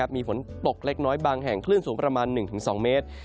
มีฝนตกเล็กน้อยบางแห่งคลื่นสูงประมาณ๑๒เมตร